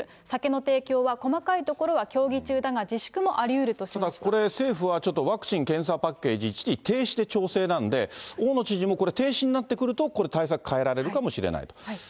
酒の提供は細かいところは協議中だが、これ、政府はちょっとワクチン・検査パッケージ、一時停止で調整なんで、大野知事もこれ、停止になってくると、これ、対策変えられるかもしれないと。